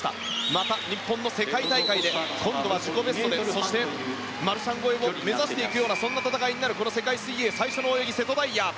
また日本の世界大会で今度は自己ベストでそして、マルシャン超えも目指していくようなこの世界水泳最初の泳ぎ瀬戸大也。